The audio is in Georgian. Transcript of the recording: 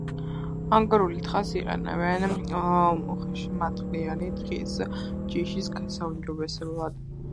ანგორული თხას იყენებენ უხეშმატყლიანი თხის ჯიშის გასაუმჯობესებლად.